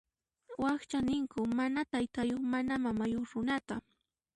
Wakcha ninku mana taytayuq mana mamayuq runata.